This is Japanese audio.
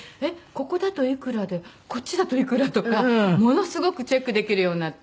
ここだといくらでこっちだといくらとかものすごくチェックできるようになって。